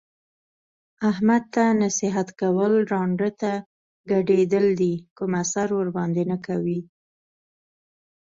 احمد ته نصیحت کول ړانده ته ګډېدل دي کوم اثر ورباندې نه کوي.